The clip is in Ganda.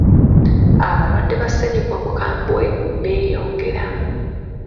Abalwadde ba ssennyiga omukambwe beeyongera.